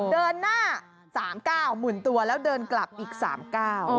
เดินหน้า๓๙หมื่นตัวแล้วเดินกลับอีก๓ก้าว